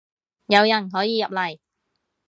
有人可以入嚟